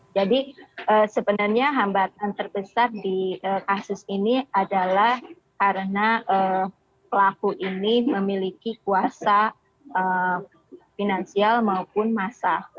jadi sebenarnya hambatan terbesar di kasus ini adalah karena pelaku ini memiliki kuasa finansial maupun massa